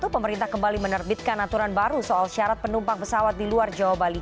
pemerintah kembali menerbitkan aturan baru soal syarat penumpang pesawat di luar jawa bali